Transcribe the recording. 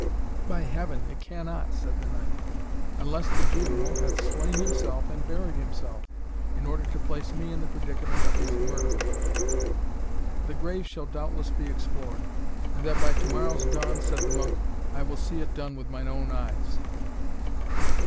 "By Heaven, it cannot!" said the knight, "unless the juvenal hath slain himself and buried himself, in order to place me in the predicament of his murderer." "The grave shall doubtless be explored, and that by to morrow's dawn," said the monk, "I will see it done with mine own eyes."